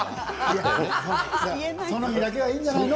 その日だけはいいんじゃないの？